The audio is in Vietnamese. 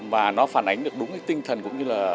và nó phản ánh được đúng cái tinh thần cũng như là